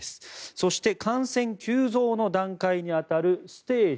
そして感染急増の段階に当たるステージ